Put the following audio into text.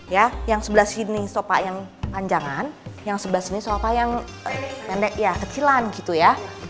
ya yang sebelah sini sopa yang panjangan yang sebelah sini sopa yang pendek ya kecilan gitu ya